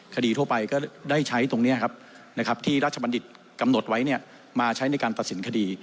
คดีทั่วไปก็ได้ใช้ตรงนี้ครับที่ราชบัณฑิตกำหนดไว้มาใช้ในการตัดสินคดี